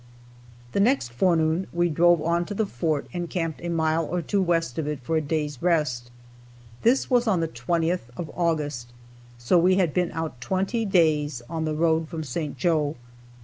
The next forenoon we drove on to the fort and camped a mile or two west of it for a day's rest. This was on the 20th of August, so we had been out twenty days on the road from St. Joe.